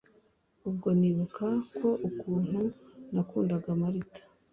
ubwo nibuka n’ukuntu nakundaga marita